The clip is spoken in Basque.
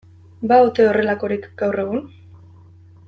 Ba ote horrelakorik gaur egun?